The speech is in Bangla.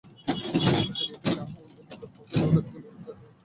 বাহিনীটি নাহাওয়ান্দের নিকট পৌঁছলে অশ্বগুলো দাঁড়িয়ে গেল।